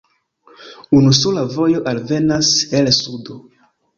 Unusola vojo alvenas el sudo.